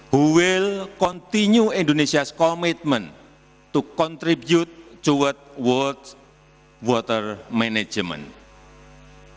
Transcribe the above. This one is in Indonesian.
yang akan terus berkembang dengan komitmen indonesia untuk berkontribusi ke pengurusan air dunia